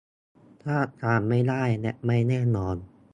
คาดการณ์ไม่ได้และไม่แน่นอน